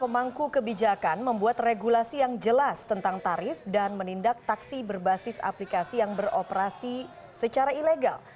pemangku kebijakan membuat regulasi yang jelas tentang tarif dan menindak taksi berbasis aplikasi yang beroperasi secara ilegal